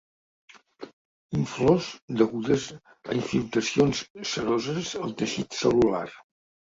Inflors degudes a infiltracions ceroses al teixit cel·lular.